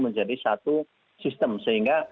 menjadi satu sistem sehingga